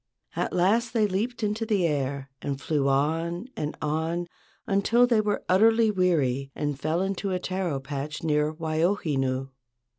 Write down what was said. At last they leaped into the air and flew on and on until they were utterly weary and fell into a taro patch near Waiohinu.